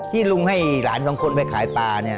ที่ลุงให้หลานสองคนไปขายปลา